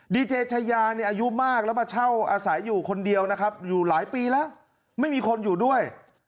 ดีเจชายาเนี่ยอายุมากแล้วมาเช่าอาศัยอยู่คนเดียวนะครับอยู่หลายปีแล้วไม่มีคนอยู่ด้วย